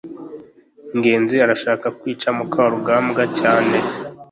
ngenzi arashaka kwica mukarugambwa cyane